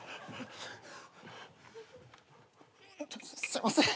すいません。